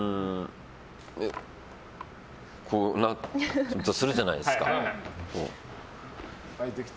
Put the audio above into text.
こうなったとするじゃないですか。